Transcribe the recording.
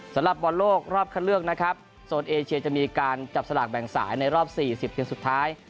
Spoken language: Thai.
สำหรับบอลโลกรอบคันเลือกนะครับโซนเอเชียจะมีการจับสลากแบ่งสายในรอบ๔๐ทีมสุดท้าย